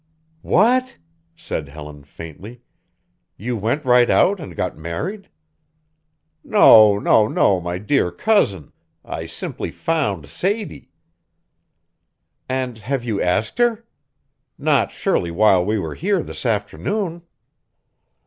"What!" said Helen faintly. "You went right out and got married?" "No, no, no, my dear cousin. I simply found Sadie." "And have you asked her? Not surely while we were here this afternoon."